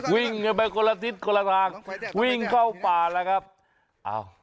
วิ่งกันไปคนละทิศคนละทางวิ่งเข้าป่าแล้วครับอ้าว